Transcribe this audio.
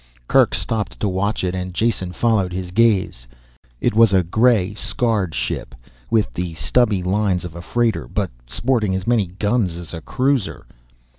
Kerk stopped to watch it and Jason followed his gaze. It was a gray, scarred ship. With the stubby lines of a freighter but sporting as many guns as a cruiser.